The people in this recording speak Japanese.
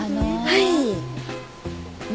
はい。